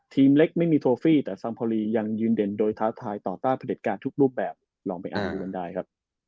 เล็กไม่มีโทฟี่แต่ซัมโพลียังยืนเด่นโดยท้าทายต่อต้านผลิตการทุกรูปแบบลองไปอ่านดูกันได้ครับ